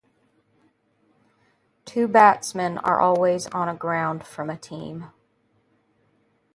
Two batsmen are always on a ground from a team.